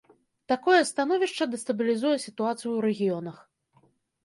Такое становішча дэстабілізуе сітуацыю ў рэгіёнах.